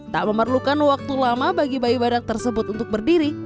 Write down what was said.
tak memerlukan waktu lama bagi bayi badak tersebut untuk berdiri